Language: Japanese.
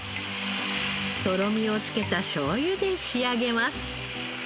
とろみをつけたしょうゆで仕上げます。